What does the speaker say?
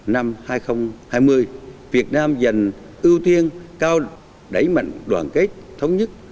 năm hai nghìn hai mươi việt nam dành ưu tiên cao đẩy mạnh đoàn kết thống nhất